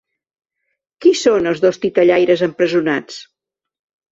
Qui són els dos titellaires empresonats?